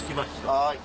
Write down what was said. はい。